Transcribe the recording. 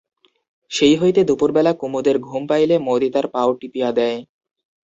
সেই হইতে দুপুরবেলা কুমুদের ঘুম পাইলে মতি তার পাও টিপিয়া দেয়।